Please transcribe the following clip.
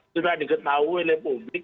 sudah diketahui oleh publik